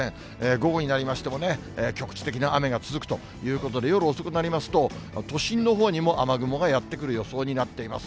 午後になりましてもね、局地的な雨が続くということで、夜遅くなりますと、都心のほうにも雨雲がやって来る予想になっています。